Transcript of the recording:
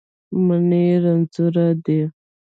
منی رنځور دی